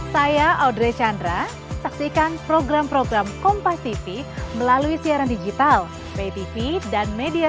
saya audrey chandra saksikan program program kompas tv melalui siaran digital pay tv dan media